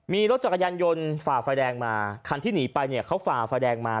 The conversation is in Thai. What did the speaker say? มีรถจักรยานยนต์ฝ่าไฟแดงมาคันที่หนีไปเนี่ยเขาฝ่าไฟแดงมา